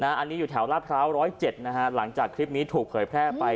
อันนี้อยู่แถวลาดพร้าว๑๐๗นะฮะหลังจากคลิปนี้ถูกเผยแพร่ไป